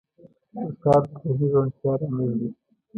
استاد د ذهني روڼتیا لامل وي.